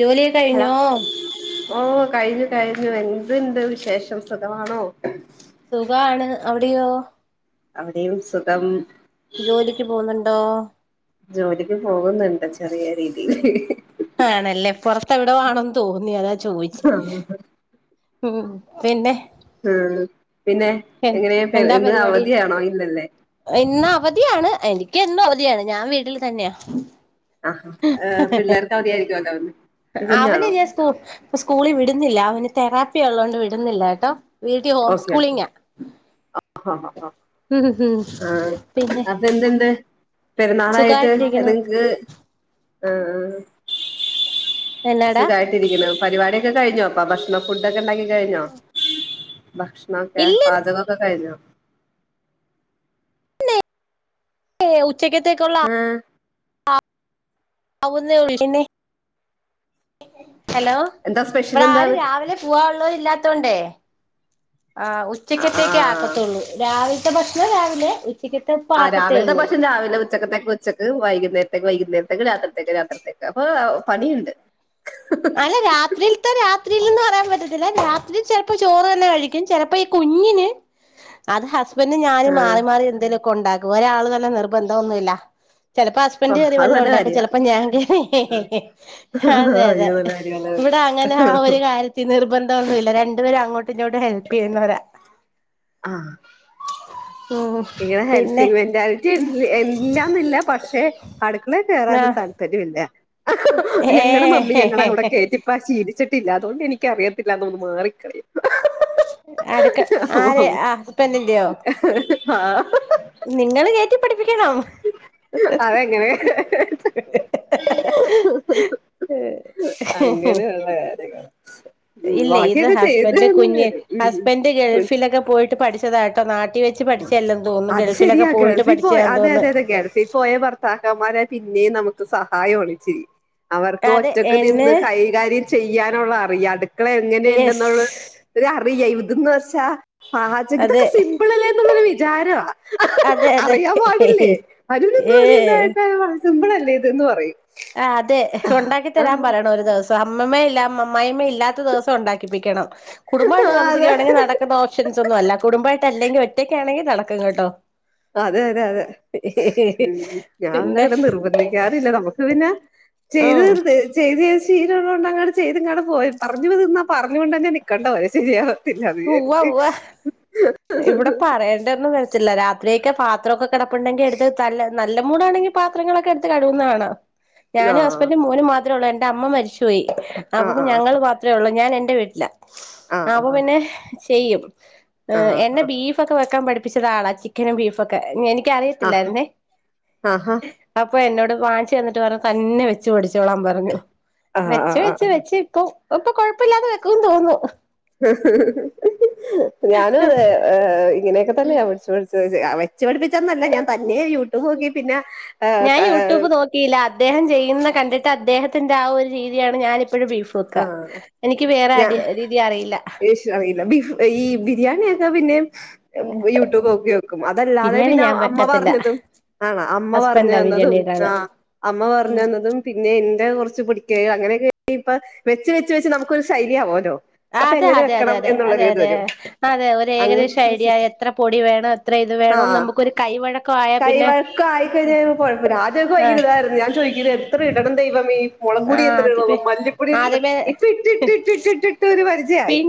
ജോലിയൊക്കെ ഹലോ കഴിഞ്ഞോ ഓ കഴിഞ്ഞു കഴിഞ്ഞു എന്ത്ണ്ട് വിശേഷം സുഖമാണോ സുഖാണ് അവിടെയോ അവിടെയും സുഖം ജോലിക്ക് പോവുന്നുണ്ടോ ജോലിക്ക് പോകുന്നുണ്ട് ചെറിയ രീതിയി ൽ ആണല്ലേ പുറത്തെ എവിടെ ആണെ ന്ന് തോന്നി അതാ ചോദിച്ച ഉം ഉം പിന്നെ ആ പിന്നെ എ എങ്ങനെ എന്താ ഇന്ന് പരിപാടി അവധിയണോ ഇല്ലല്ലേ ഇന്ന് അവധിയാണ് എനിക്ക് എന്നും അവധിയാണ് ഞാൻ വീട്ടിൽ തന്നെയാ ആഹ പിള്ളേർക്ക് അവധിയായിരിക്കോലൊന്ന് അവന് ഞാൻ സ്കൂ സ്കൂളിൽ വിടുന്നില്ല അവന് തെറാപ്പി ഉള്ളതോണ്ട് വിടുന്നില്ല കേട്ടോ വീട്ടിൽ ഹോം സ്കൂളിംഗ ആ ഉം ഉം അ പിന്നെ അപ്പെന്ത്‌ണ്ട് പെരുന്നാളായിട്ട് സുഖായിട്ടിരിക്കുന്നു ഏതെങ്ക് ആഹ ആ എന്നാടാ സുഖായ് ട്ടിരിക്കുന്നോ പരിപാടിയൊക്കെ കഴിഞ്ഞോ അപ്പ ഭക്ഷണോ ഫുഡൊക്കെ ഉണ്ടാക്കി കഴിഞ്ഞോ? ഭക്ഷണൊക്കെ ഇല്ലെന്നേ പാചകക്കെ കഴിഞ്ഞോ? ഏ ഉച്ചെക്കത്തെക്കുള്ള ആഹ് ആവുന്നെ ഉള്ളൂ, [unintelligible] ഹലോ എന്താ സ്പെഷ്യൽ ഇടെ ആര് എന്താണ് രാവിലെ പൂവ ഉള്ള ഇല്ലാത്തോണ്ടേ ആ ആ ആ ഉച്ചക്കത്തേക്ക ആക്കത്തുള്ളൂ രാവില ത്തെ ഭക്ഷണം രാവിലെ ഉച് ആഹ രാവിലത്തെ ഭക്ഷണം രാവിലെ ഉച്ചക്കത്തേക്ക് ഉച്ചക്ക് വൈകുന്നേരത്തേക്ക് വൈകുന്നേരത്തേക്ക് രാത്രിതേക്ക് രാത്രിതേക്ക് അപ്പൊ പണിയുണ്ട് [unintelligible] ആല്ല രാത്രിയിൽത്തെ രാത്രിയിൽന്ന് പറയാൻ പറ്റത്തില്ല രാത്രി ചിലപ്പോ ചോറ് തന്നെ കഴിക്കും ചിലപ്പോ ഈ കുഞ്ഞിന് [inaudible] അത് ഹസ്ബന്ഡ് ആ ഞാനും മാറി മാറി എന്തേലു ഒക്കെ ഉണ്ടാക്കും ഒരാൾ തന്നെ നിർബന്ധം ഒന്നുമല്ല ചിലപ്പോ ഓ, ഹസ്ബൻഡറ് അത് കറിവല്ലാം നല്ല ഉണ്ടാക്കും കാര്യ ചിലപ്പോ ഞാൻ [unintelligible] അതെ അതെ അയ്യോ നല്ല കാര്യ നല്ല കാര്യ ഇവിടെ അങ്ങനെ ആ ഒരു കാര്യത്തിൽ നിർബന്ധംന്നുംമില്ല രണ്ടു പേര അങ്ങോട്ടി ഇങ്ങോട്ട് ഹെൽപ് ചെയ്യുന്നവരാ ആഹ ഉം ഇവിടെ പിന്നെ ഹെൽപ്പിംഗ് മെന്റാലിറ്റി ഇല്ലാന്നില്ല പക്ഷെ അടുക്കളെ ആ കേയറാനും തല് ര്രില്ല ഏ ഞങ്ങളുടെ മമ്മി ഞങ്ങള അവടെ കേറ്റിപ്പ ശീലിച്ചി ട്ടില്ല അതുകൊണ്ട് എനിക്ക അറിയത്തില്ലാന്ന് മാറിക്കളിയാം അടുക്ക ആരെ ആ ഹസ്ബെന്റി ന്റെയോ ആഹ നിങ്ങള് കയറ്റി പഠിപ്പിക്കണം. അതെങ്ങനെ [inaudible] അങ്ങനെയുള്ള കാര്യങ്ങൾ ഇല്ല ഇത് ബാക്കിയൊക്കെ ചെയ്ത് ഹസ്ബൻഡ് തന്ന് കുഞ്ഞ് തരും ഹസ്ബൻഡ് ഗൾഫിലൊക്കെ പോയിട്ട് പഠിച്ചതാ കേട്ടോ നാട്ടി വെച്ച് പഠച്ച് പഠിച്ചല്ലാം തോന്നുന്നു അത് ഗൾഫിലൊക്കെ പോയിട്ട് പഠിച്ചാ തോന്നുന്നു ഈ പോയ ഭർത്താക്കന്മാരെ പിന്നെയും നമുക്ക് സഹായോളിച്ചിരി അവർക്ക് അത് ഒറ്റക്ക് നിന്ന് എന്നെ കൈകാര്യം ചെയ്യാനുള്ള അറിയ അടുക്കള യെസ് എങ്ങനെയുണ്ടെന്നുള്ള ഒരു അറിയ, ഇതന്ന് വെച്ചാ പചക അതെ തൊക്കെ സിമ്പിള? ല്ലേ? വിചാര. അതെ അതെ അറിയാൻ പാടില്ലേ? അനുൻ എന്ത്‌ പണി ഏ ണ്ടായിട്ട സിമ്പിൾ അല്ലേ? ഇത ന്ന് പറയും. ആഹ്, അതെ, ഉണ്ടാക്കി ആ തരാൻ പറയണം ഒരു ദിവസം. അമ്മ മ്മേ ഇല്ല അമ്മ അമ്മായ് മ ഇല്ലാത്ത ദിവസം ഉണ്ടാക്കിപ്പിക്കണം. ആ, കുടുംബമായിട്ട് അതെ താമസിക്കുകയാണെങ്കി നടക്കുന്ന [unintelligible] ന്നില്ല കുടുംബമായിട്ട് ല്ലെങ്കിൽ ഒറ്റക് ആണെങ്കിൽ നടക്കും കേട്ടോ? അതെ അതെ അതെ ഉം, ഞാൻ പിന്നെ എന്ത നിർബന്ധി ക്കാറില്ല. നമ്മുക്ക് പിന്നെ ചെയ്ത് ഉം തര് ചെയ്ത് ചെയ്തു ശീലഉള്ള കൊണ്ട്, അങ്ങട്ട ചെയ്ത് ഇങ്ങട്ട പോയി. പറഞ്ഞു നിന്ന പറഞ്ഞ കൊണ്ട നിക്കണ്ടോ ഓരെ ശരിയാ ഉൂവ, ഉവ ഇവിടെ പറയണ്ടന്ന് വ ല്ല രാത്രിക്കെ പാത്രക്കെ കിടപ്പുണ്ടെ ങ്ക എടുത് തല്ല, നല്ല ല്ല മൂടാണെങ്കിൽ പാത്രങ്ങ ളൊക്കെ എടുത്ത് കഴ്കുന്ന കാണാ. ആ ഞാനും, ഹസ്‌ബെൻറ്റും, മോനും മാത് മാത്രേള്ളൂ എന്റെ അമ്മ മരിച്ചു പോയി. ആ അപ്പം ഞങ്ങൾ മാത്രമേ ഉള്ളൂ. ഞാൻ എന്റെ വീട്ടില. ആ ആ അപ്പം പിന്നെ ചെയ്യും. ആ ആ എന്നെ ബീഫ് ഫക്കെ വെക്കാൻ പഠിപ്പിച്ചത ആളാ. ചിക്കനും ബീഫൊ ക്കെ, എനിക് ആ അറിയത്തില്ലായിരു ന്നേ? ആഹാ. അപ്പൊ എന്നോട് വാങ്ങിച്ചു തന്നിട്ട് പറഞ്ഞു. തന്നെ വെച്ച് പഠിച്ചോളാൻ പറഞ്ഞു. പറഞ്ഞു ആ ആ വെച്ച്, ആ വെച്ച്, വെച്ച് ഇപ്പ ഇപ്പൊ കൊഴപ്പ ല്ലാതെ വെക്ക ന്ന് തോന്നു ന്നു. ഞാനു തെ, ഹ് ഇങ്ങനൊക്കെ തന്ന ഞാനും വെച്ച് പഠിച്ചു. വെച്ചു പഠിപ്പിച്ചോന്നു ല്ല. ഞാൻ തന്നെ യുട്യൂബ് നോക്കി പിന്നെ ഹ്, ക ല്ല അദ്ദേഹം ചെയ്യുന്ന കണ്ടിട്ട്, അദ്ദേഹത്തിന്റെറെ ആഹ്, ഒരു രീതിയാണ് ഞാനിപ്പോഴും ബീഫ് റോക്ക ആ, എനിക്ക് വേറെ അടി രീതി അറിയില്ല. റിയില്ല. ബീഫ്, ഈ ബിരിയാണി യൊക്കെ പിന്നേയ് യൂട്യൂബ് ഒക്കെ വെക്കും അതല്ലാതെ ബിരിയാണി പിന്നെ ഞാൻ അമ്മ വെക്കത്തില്ല പറഞ്ഞതും. ആണോ? അമ്മ പറഞ്ഞ ഹസ്ബൻഡാ തന്നതും ബിരിയാണിയുടെ ആള് ആഹ് അമ്മ പറഞ്ഞ തന്നതും. പിന്നെ, ന്റെ കൊർച് പൊടിക്കൈ അങ്ങനെയൊക്കെ. ഇപ്പൊ വെച്ച് വെച്ച് വെച്ച് നമുക്കൊരു ഷൈലി യാവൊലൊ. അപ്പൊ, അതെ എങ്ങനെ അതെ അതെ വെക്കണം അതെ എന്നുള്ളരു അതെ ഇത് അതെ വരും. അതെ, ഒരു ഏകദേശം അങ്ങനെ ഐഡിയ. സെറ്റ് എത്ര പൊടി വേണം, എത്ര ഇത് വേണോന്ന് നമുക്കൊരു കൈവഴക്ക ആയ കൈവഴക്ക ആയിക്കഴിഞ്ഞ ക്കൈ കൈ വയക്കായി കഴിഞ്ഞ കുഴപ്പമില്ല. ആദ്യക്കെ ആ ഭയങ്കര ഇതായിരുന്നു. ഞാൻ ചോയ്ക്കു ഇതെത്ര ഇടണം ദൈവമേ. ആ മുളപൊടി എത്ര, ഉള്ള ആദ്യമേ മല്ലിപ്പൊടി എത്ര, ഇപ്പ ഇട്ട്, ഇട്ട്, ആദ്യമേ ഇട്ട്, ഇട്ട്, ഇട്ട്, ഒരു പരിചയായി. പിൻ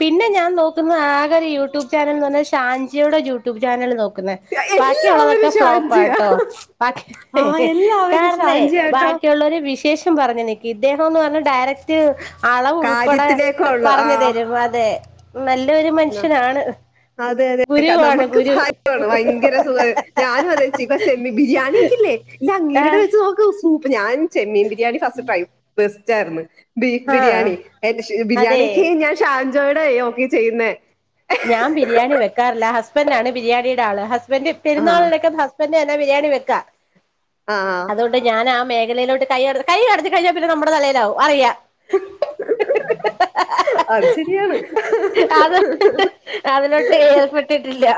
പിന്നെ ഞാൻ നോക്കുന്ന ആക ഒരു പിന്നെ, ഞാൻ നോക്കുന്ന. ആകെ യൊരു യൂട്യൂബ് ചാനൽ എന്ന് പറഞ്ഞ ശ്യാംജി യുട്യൂബ് ചാനൽ നോക്കുന്ന ബാക്കി എല്ലാവരും യുള്ളതൊക്കെ, ഫ്ലോപ്പാ ട്ടോ? ഷാൻജിയ ആഹ് എല്ലാവരും കാരണേ ഷാൻജിയാട്ടോ ബാക്കിയുള്ളരു വി ശേഷം പറഞ്ഞു നിക്കും. ഇദ്ദേഹം ന്ന് പറഞ്ഞ ഡയറക്ട് അളവ് ഉൾപ്പെടെ കാര്യത്തിലേക്കുള്ള പറഞ്ഞു ആഹ് തരും. അതെ, നല്ലൊരു മനുഷ്യനാണ്. അതെ, അതെ ഗുരുവാണ് നമുക്ക് ഗുരു ഫാഗ്യമാണ്. ഭയങ്കര സുഖ. ഞാനു അതെ ച്ചീ ചെമ്മീൻ ബിരീയാണി ഒക്കെ ല്ലേ? ഇല്ല, അങ്ങേരിയുടെ ആഹ് വെച്ച് നോക്ക് സൂപ്പ് ഞാൻ ചെമ്മീൻ ബിരിയാണി ഫസ്റ്റ് ട്രൈ. ബെസ്റ്റ് ആയിരുന്നു. ബീഫ് ആഹ് ബിരിയാണി, എ അതെ ബിരിയാണിക്ക് ഞാൻ ഷാൻജോടെ നോക്കി ചെയ്യുന്നേ? ഞാൻ ബിരിയാണി വെക്കാറില്ല. ഹസ്ബൻറ് ആണ് ബിരിയാണിയുടെ ആള്, ഹസ്ബൻഡറ് ആഹ് പെരുന്നാളിലക്ക ഹസ് ബന്റാണ് ബരിയാണി വെക്കാ. ആഹ് ആഹ് അതുകൊണ്ട് ഞാൻ, ആഹ് മേഖലയിലോട്ട് കൈ അട കൈ കടത്തി കഴിഞ്ഞൽ, പിന്നെ നമ്മുടെ തലയിലാവും അറിയാം. അത് ശരിയാണ്. അതിനോട്ട് ഏർപ്പെട്ടിട്ടി. ല്ല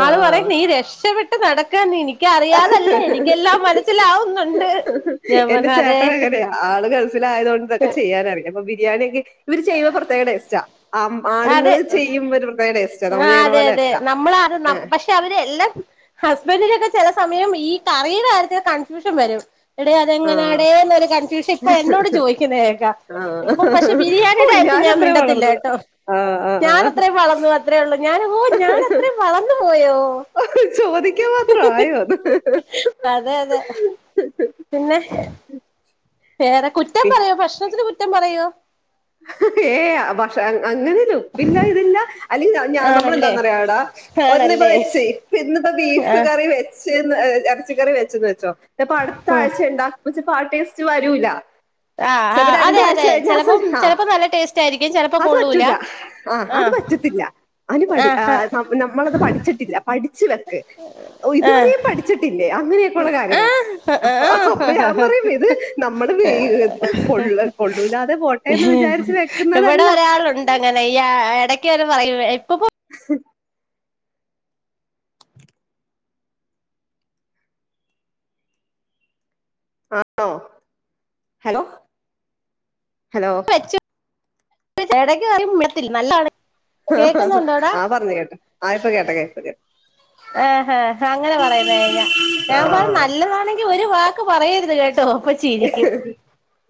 ആള് പറ ആഹ് നീ രക്ഷപ്പെെട്ട പ്പം നടക്കാ നി നി എനിക്ക അറിയാതല്ല, എനിക്കെല്ലാം മനസ്സിലാവുന്നുണ്ട്. ഞാൻ എന്റെ പറഞ് അതെ. ചേട്ടൻ അങ്ങനെയാ ആള് ഗൾഫിലായതോണ്ട് ഇതൊക്ക ചെയ്യാനറിയ അപ്പോ ബിരിയാണിയക്കെ ഇവര് ചെയ്യുമ്പോ പ്രത്യേക ടെസ്റ്റാ. ആം ആണുങ്ങള് ചെയ്യ്മ്പെരു പ്രത്യേക ടെസ് ആഹ് അതെ അതെ നമ്മൾ [unintelligible] പക്ഷെ അവരെ എല്ലാം ഹസ്ബൻഡിനൊക്കെ ചെല സമയം ഈ കറീടെ കാര്യത്തിൽ കൺഫ്യൂഷൻ വരും. എടെ ആ അതെങ്ങനാടെ എന്നൊരു കൺഫ്യൂഷൻ ഇപ്പൊ എന്നോട് ചോദിക്കുന്ന കേക്കാം ആ ഇപ്പം പക്ഷെ ബിരിയാ ണിയുടെ ഓ കാര്യത്തിൽ ഞാൻ ഞാനത്ര മിണ്ടത്തില്ല വളർന്നു കേട്ടോ ആ ആ ഞാൻ ആ ഇത്രയും വളർന്ന് വ അത്രേ ഉള്ള് ഞാൻ [unintelligible] ഞാനത്രയും വളർന്ന് പോയോ. ചോദിക്കാൻ മാത്ര ആയോ അതെ അതെ [unintelligible] പിന്നെ? വേറെ കു പിഹ് ഭക്ഷണത്തിന് കുറ്റം പറയോ? ഏയ് അ ഭക്ഷണ അങ്ങനെ ഉപ്പില്ല ഇതില്ല അല്ലെങ്കി അവനി ആ നമ്മള ആണല്ലേ എന്താന്നറിയടാ ഒന്ന്പ്പ ആണല്ലേ വെച്ച് ഇന്ന്പ്പോ ബീഫ് ആഹ് കറി വെച്ചന്ന് ഹ് എറച്ചിക്കറി വെച്ചന്ന് വെച്ചോ ഇപ്പൊ അടുത്ത ഉം ആഴ്ച ഇണ്ടാ [unintelligible] ആ ടേസ്റ്റ് വരൂല ആഹ് ചെൽപ്പം ആഹ് അതെ രണ്ടാഴ്ച അതെ കഴിഞ്ഞാൽ ഗ്യാസ് ചെലപ്പം തീരും. ആ ചെലപ്പോ നല്ല ടേസ്റ്റ് ആയിരിക്കും ചെലപ്പോ അത് കൊള്ളൂല പറ്റൂല ആ അത് ആഹ് പറ്റത്തില്ല. അയിന് പട് ആ ആഹ് നമ്മ നമ്മളത് പഠിച്ചിട്ടില്ല പഠിച്ചു വെക്ക് ഓ ആഹ് ഇതുവരെയും പട് ച്ചിട്ടില്ലേ അങ്ങനെയൊക്കെയുള്ള കാര്യങ്ങള. അപ്പോ അപ്പ ആഹ് ഞാൻ പറയും ഇത് നമ്മുടെ വീ ആഹ് കൊള്ള കൊള്ളൂലാതെ പോ എന്ന് വിചാരിച്ച് വെക്കുന്നതല്ല ആളൊണ്ട് അങ്ങനെ യാ എടക്ക് കേറി പറയും ഇപ്പ പോ [unintelligible] ഹലോ ഹലോ? എടയ്ക്ക് ആരും വിടത്തില്ല നല്ലാണേ. ആ പർഞ്ഞ് കേട്ട് ആ ഇപ്പ കേട്ട കേട്ട് കേ ഏഹേ അങ്ങനെ പറയുന്നേ [unintelligible] ആ ഞാൻ പറയ നല്ലതാണെ ങ്കി ഒരു വാക്ക് പറയരുത് കേട്ടോ ഒ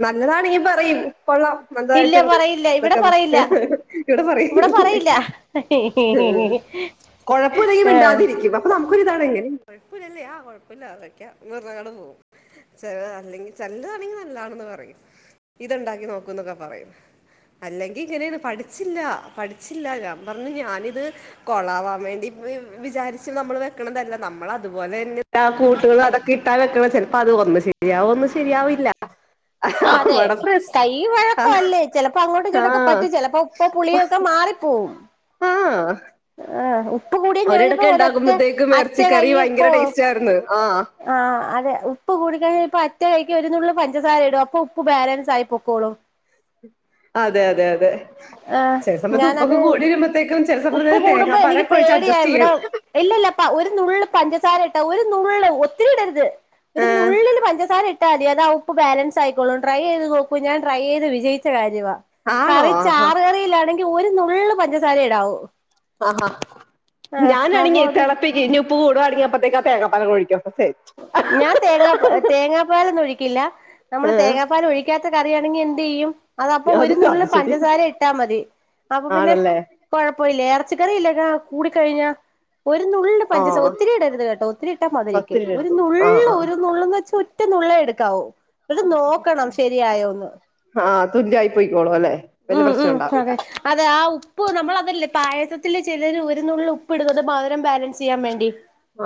നല്ലതാണെങ്കി പറയും കൊള്ളാം ഇല്ല മന്തായിട്ട്ണ്ട് പറയില്ല ഇവിടെ ഇതൊക്കെ പറയില്ല ഇവിടെ [unintelligible] കൊഴപ്പം ഉല്ലെങ്കി ആഹ് മിണ്ടാതിരിക്കുക അപ്പൊ നമുക്ക് ഒരിതാണേ. ചെലത് ആണെങ്കി നല്ലാണെന്ന് പറയും ഇത് ഇണ്ടാക്കി നോക്ക് ന്നൊക്കെ പറയും. അല്ലെങ്കി ഇങ്ങനെയേണ് പഠിച്ചില്ലാ പഠിച്ചില്ല ഞാൻ പർഞ്ഞ് ഞാനിത് കൊളാവാൻ വേണ്ടി [unintelligible] വിചാരിച്ച് നമ്മള് വെക്കണതല്ല നമ്മൾ അതുപോലെ തന്നെ ആ കൂട്ടുകൾ അതൊക്കെ ഇട്ടാണ് വെക്കണത് ചെലപ്പോ അത് ഒന്ന് ശെ രിയാവും ഒന്ന് ശെരിയാവില്ല. ആഹ് അതെ കൈ വഴക്കം അല്ലേ ചെലപ്പൊ അങ്ങോട്ട് ആ ഇങ്ങോട്ടക്കെ പറ്റും ചെലപ്പോ ഉപ്പോ പുളിയൊക്കെ മാറിപ്പോവും. ആഹ് ആഹ് ഉപ്പ് കൂടിയ ഞാനിപ്പോ ഒരൊറ്റ ഉണ്ടാക്കുമ്പോഴത്തേക്കും അറ്റ കൈ ഇറച്ചിക്കറി ഉപ്പ് ഭയങ്കര ഓ ടേസ്റ്റ് ആയിരുന്നു ആഹ് ആ അതെ ഉപ്പ് കൂടിക്കഴിഞ്ഞാ ഇപ്പ അറ്റ കൈക്ക് ഒരു നുള്ള് പഞ്ചസാര ഇടും അപ്പൊ ഉപ്പ് ബാലൻസ് ആയി പൊക്കോളും. അതെ അതെ അതെ ആഹ് ചെല സമയത്ത് ഉപ്പൊക്കെ ഞാനത് കൂടി വരുമ്പത്തേക്കും ചെല സമയത്ത് തേങ്ങാ പാലൊക്കെ ഒഴിച്ച് അട്ജസ്റ്റ്യ്യും. ഇല്ല ല്ല പ്പ ഒരു നുള്ള് പഞ്ചസാര ഇട്ടാ ഒരു നുള്ള് ഒത്തിരി ഇടരുത്. ഒരു ഏഹ് നുള്ളില് പഞ്ചസാര ഇ ട്ടാതി അതാ ഉപ്പ് ബാലൻസായിക്കോളും. ട്രൈ ചെയ്ത് നോക്കൂ. ഞാൻ ട്രൈ ചെയ്ത് വിജയിച്ച കാര്യവാ. ആണോ കറി ആഹാ ചാറ് കറിയിലാണെങ്കി ഒരു നുള്ള് പഞ്ചസാരേ ഇടാവൂ. അഹാ അഹാ ഞാൻ ആഹ് അപ്പൊ ആണെങ്കി അത് തെളപ്പിക്കും. ഞ്ഞ് ഉപ്പ് കൂടവാണങ്കി അപ്പത്തേക്ക് ആഹ് തേങ്ങപ്പാല് അങ്ങ് ഒഴിക്കും. അപ്പ സെ ഞാൻ തേങ്ങാപ്പ ഏഹ് തേങ്ങാപ്പാലൊന്നും ഒഴിക്കില്ലാ. നമ്മള് ഏഹ് തേങ്ങാപ്പാൽ ഒഴി ക്കാത്ത കറിയാണെങ്കി എന്ത്‌ ചെയ്യും. അത അപ്പൊ അത് ഒരു നുള്ള് അത് ശരി പഞ്ചസാര ഇട്ടാ മതീ. അപ്പൊ പിന്നെ ആണല്ലേ കൊഴപ്പ ഇല്ല. എറച്ചി കറിയിലേക്കാ കൂടിക്കഴിഞ്ഞാ ഒരു നുള്ള് പഞ്ചസ ആഹ് ഒത്തിരി ഇടരുത് കേട്ടോ. ഒത്തിരി ഇട്ടാ മധുരിക്കും. പത്തിരി ഒരു എടുത്തു ആഹ് നുള്ള് ആഹ് ഒരു നുള്ളെന്ന് വച്ച ഒറ്റ നുള്ളേ എടുക്കാവൂ. എന്നിട്ട് നോക്കണം ശരിയായോന്ന് ആഹ് തുല്യായി പോയിക്കോളും അല്ലേ. ഉം ഉം അതെ അതെ. ആഹ് ഉപ്പ് നമ്മള് അതല്ലേ പായസത്തില് ചിലര് ഒരു നുള്ള് ഉപ്പ് ഇടുന്നത്. മധുരം ബാലൻസ് ചെയ്യാൻ വേണ്ടി.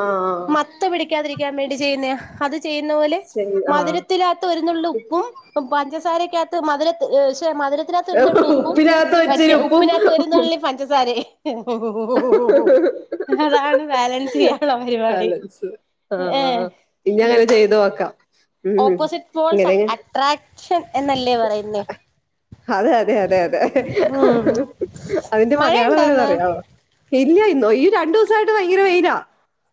ആഹ് ആഹ് ആഹ് പ്പ് പിടിക്കാതിരിക്കാൻ വേണ്ടി ചെയ്യുന്നയാ. അത് ചെയ്യുന്ന പോലെ ശരി ആഹ് മധുരത്തിനാത്ത് ഒരു നുള്ള് ഉ പ്പും പഞ്ചസാരക്കാത്ത് മധുരത്ത് ഏഹ് ശ്ശെ മധുര രത്തിനകത്ത് ഒരു നുള്ള് ഉപ്പും. ഉപ്പിനകത്ത് മറ്റേ വെച്ചൊരു ഉപ്പും ഉപ്പിനകത്ത് ഒരു നുള്ളി പഞ്ചസാരയും. അതാണ് ബാലൻസ് ചെയ്യാനുള്ള പരിപാടി. ബാലൻസ് ഏഹ് ആഹ് ഇനി അങ്ങനെ ചെയ്ത് നോക്കാം. ഉം ഇങ്ങനെങ്ങ് ട്രാക്ഷൻ എന്നല്ലേ പറയുന്നേ. അതെ അതെ അതെ അതെ. ഉം അതിന്റെ മലയാളം മഴയുണ്ടോ ഇന്ന് ഒന്നറിയാവൊ.? ശെരിയാ ഇന്ന് ഓ ഈ രണ്ടൂസയിട്ട് ഭയങ്കര വെയിലാ.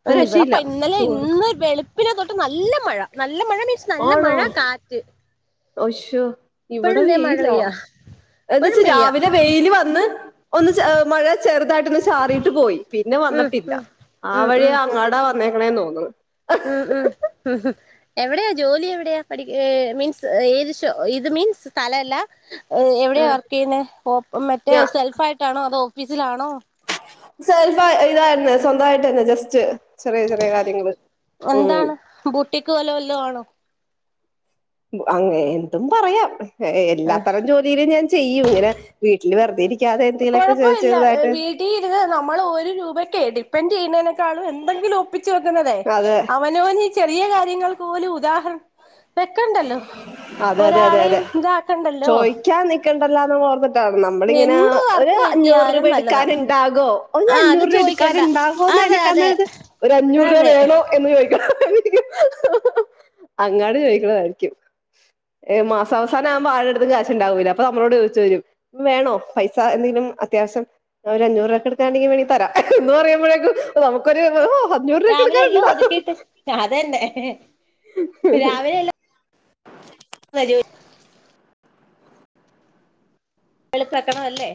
ഒരു ഇവിടപ്പ രക്ഷയില്ല ഇന്നലെ ചൂട് ഇന്ന് വെളുപ്പിനെ തൊട്ട് നല്ല മഴ. നല്ല മഴ മീൻസ് നല്ല ആണോ മഴ കാറ്റ് അശ്ശോ ഇവിട ഇപ്പഴും ദേ മഴ വെയിലാ. പെയ്യാ ഇപ്പഴും എന്ന്ച്ച് പെയ്യാ രാവിലെ വെയില് വന്ന് ഒന്ന് ചെ ഏഹ് മഴ ചെറുതായിട്ടൊന്ന് ചാറിയിട്ട് പോയി. പിന്നെ ഉം വന്നിട്ടില്ല. ഉം ആ ഉം വഴി ഉം അങ്ങാടാ വന്നേക്കണേന്ന് തോന്ന്ണ്. ഉം, ഉം, ഹ് മ് എവിടെയാ ജോലി എവിടെയാ.? പഠിക്ക മീൻസ് ഏത് ഷോ ഇത് മീൻസ് സ്ഥലല്ല. എവിടെയാ ആഹ് വർക്ക് ചെയ്യുന്നെ.? മറ്റേ ഞാ സെൽഫ് ആയിട്ടാണോ? അതോ ഓഫീസിലാണോ? സെൽഫ് ഇതായിരുന്നു. സ്വന്തായിട്ടെന്നെ. ജസ്റ്റ് ചെറിയ, ചെറിയ കാര്യങ്ങള്. ഉം. എന്താണ് ബൂട്ടിക്ക് വല്ലോം വല്ലോ ആണോ? അങ്ങെ എന്തും പറയാം. ആ എല്ലാത്തരം ജോലിയിലും ഞാൻ ചെയ്യും. ഇങ്ങനെ വീട്ടില് വെറുതെ ഇരിക്കാതെ എന്തങ്കിലൊക്കെ ചെർ ചെർതായിട്ട്. ട്ടീര്ന്ന് നമ്മള് ഒരു രൂപക്ക്‌ ഡിൻപ്പെന്റ ചെയ്യുന്നെക്കാളും എന്തെങ്കിലും ഒപ്പിച്ച് വെക്കുന്നെതെ അതെ അവൻ അവനവൻ ഈ ചെറിയ കാര്യങ്ങൾ പോലും ഉദാഹരണം. വെക്കണ്ടല്ലോ. അതെ അതെ ഒരാളെയും ഇതാക്കണ്ടല്ലോ. ക്കെണ്ടെല്ലാന്ന് ഓർന്ന് ക്കാന്ന്. ന്നമ്മളി ങ്ങനെ എന്ത് ഒര് വർക്ക് അഞ്ഞൂറ് രൂപ കിട്ടിയാലും നല്ലതാ എടുക്കാൻണ്ടാകോ. ഒര് ആ അത് അഞ്ഞൂറ് രൂപ എട് ക്കാന് ചോദിക്കണ്ട ണ്ടാവോന്ന് അതെ അതിനെക്കാ അതെ ന്നല്ലത്. ഒര് അഞ്ഞൂറ് രൂപ അതെ വേണോ. എന്ന് ചോദിക്ക. അങ്ങാട് ചോദിക്കണതായിരിക്കും. ഏഹ് മാസാവസാനം ആരെട്തും കാശുണ്ടാവില്ല. അപ്പൊ ന്നമ്മളോട് ചോദിച്ച് വെരും. വേണോ പൈസ എന്തെങ്കിലും അത്യാവശ്യം. ഒര അഞ്ഞൂറ് രൂപക്കെ എടുക്കാണ്ടെങ്കിൽ വേണെങ്കി തെര. എന്ന് പറുമ്പോഴേക്കും ന്നമ്മുക്കൊര് ഹൊ അഞ്ഞൂറ് രൂപക്കെ രാവിലെ എല്ലാം എടുക്കാനുണ്ടോ? ഒതുക്കിട്ട് അതന്നെ [unintelligible] വരോ എളുപ്പാക്കണതല്ലേ?